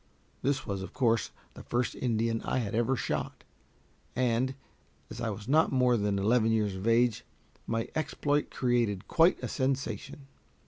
This was, of course, the first Indian I had ever shot, and as I was not then more than eleven years of age, my exploit created quite a sensation.